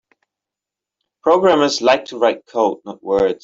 Programmers like to write code; not words.